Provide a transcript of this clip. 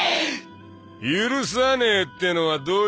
許さねえってのはどういう意味だ